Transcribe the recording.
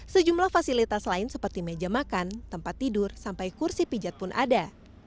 sejumlah fasilitas lain seperti meja makan tempat tidur sampai kursi pijat pun ada